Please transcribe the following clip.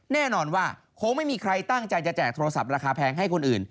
แน่นอนว่าคงไม่มีใครตั้งใจจะแจกโทรศัพท์ราคาแพงให้คนอื่น